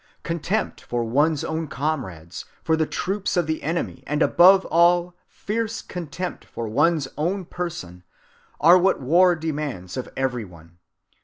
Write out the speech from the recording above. Contempt for one's own comrades, for the troops of the enemy, and, above all, fierce contempt for one's own person, are what war demands of every one.